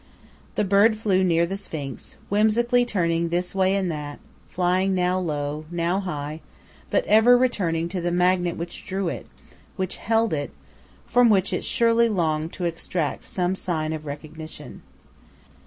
The bird flew near the Sphinx, whimsically turning this way and that, flying now low, now high, but ever returning to the magnet which drew it, which held it, from which it surely longed to extract some sign of recognition.